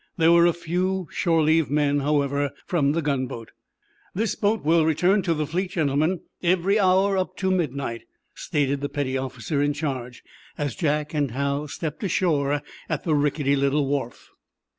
There were a few shore leave men, however, from the gunboat. "This boat will return to the fleet, gentlemen, every hour up to midnight," stated the petty officer in charge, as Jack and Hal stepped ashore at a rickety little wharf.